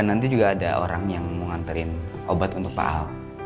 nanti juga ada orang yang mau nganterin obat untuk paal